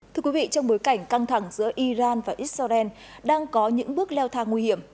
thưa quý vị trong bối cảnh căng thẳng giữa iran và israel đang có những bước leo thang nguy hiểm